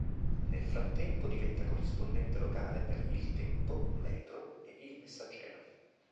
Nel frattempo diventa corrispondente locale per "Il Tempo", "Metro" e "il Messaggero".